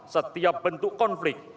setiap bentuk konflik